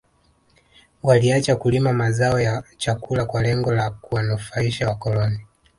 Waliacha kulima mazao ya chakula kwa lengo la kuwanufaisha wakoloni